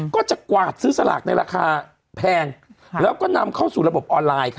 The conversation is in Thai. ก็จะกวาดซื้อสลากในราคาแพงแล้วก็นำเข้าสู่ระบบออนไลน์